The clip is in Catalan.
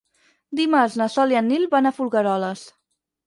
Dimarts na Sol i en Nil van a Folgueroles.